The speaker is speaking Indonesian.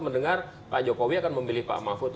mendengar pak jokowi akan memilih pak mahfud